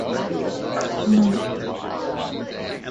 He was a member of the house of Vasa.